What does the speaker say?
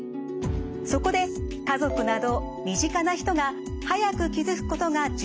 そこで家族など身近な人が早く気付くことが重要になってきます。